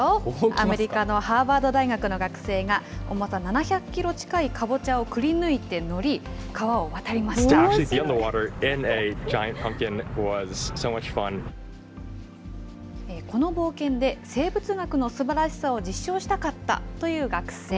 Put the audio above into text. アメリカのハーバード大学の学生が、重さ７００キロ近いカボチャをくりぬいて乗り、この冒険で、生物学のすばらしさを実証したかったという学生。